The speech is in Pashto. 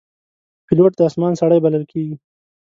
پیلوټ د آسمان سړی بلل کېږي.